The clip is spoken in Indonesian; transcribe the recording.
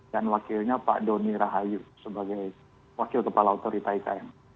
dan wakilnya pak doni rahayu sebagai wakil kepala otorita ikn